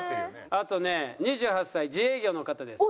あとね２８歳自営業の方です。